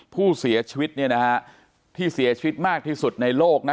ผู้เสียชีวิตที่เสียชีวิตมากที่สุดในโลกนะ